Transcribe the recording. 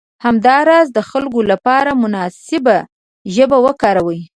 همداراز د خلکو لپاره مناسبه ژبه وکاروئ.